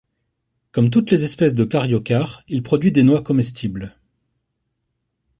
Comme toutes les espèces de caryocar, il produit des noix comestibles.